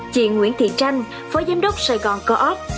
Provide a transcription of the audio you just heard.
chị nguyễn thị tranh phó giám đốc sài gòn co op